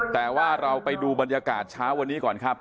แต่ว่าเราไปดูบรรยากาศเช้าวันนี้ก่อนครับ